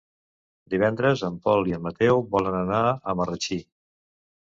Divendres en Pol i en Mateu volen anar a Marratxí.